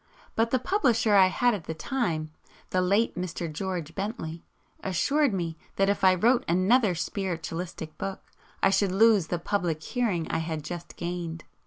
But the publisher I had at the time (the late Mr. George Bentley) assured me that if I wrote another 'spiritualistic' book, I should lose the public hearing I had just gained.